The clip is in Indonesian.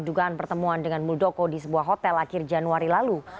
dugaan pertemuan dengan muldoko di sebuah hotel akhir januari lalu